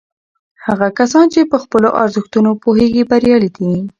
هغه کسان چې په خپلو ارزښتونو پوهیږي بریالي دي.